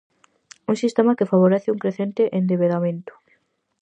Un sistema que favorece un crecente endebedamento.